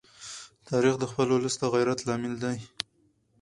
تاریخ د خپل ولس د غیرت لامل دی.